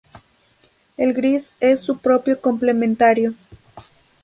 El gris es su propio complementario.